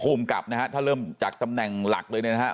ภูมิกับนะฮะถ้าเริ่มจากตำแหน่งหลักเลยเนี่ยนะฮะ